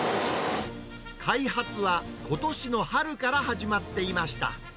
開発は、ことしの春から始まっていました。